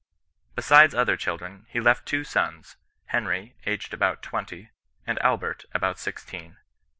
Besides other children, he left two sons, Henry, aged about twenty, and Albert about sixteen.